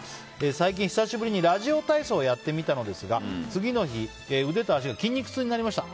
最近久しぶりにラジオ体操をやってみたのですが次の日、腕と足が筋肉痛になりました。